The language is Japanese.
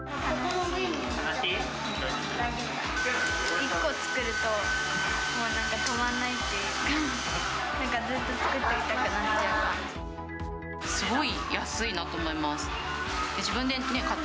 １個作ると、もうなんか止まらないっていうか、なんかずっと作ってみたくなっちゃう感じ。